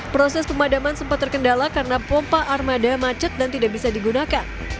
proses pemadaman sempat terkendala karena pompa armada macet dan tidak bisa digunakan